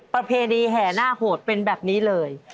ประเพณีแห่หน้าโหดเป็นแบบนี้เลย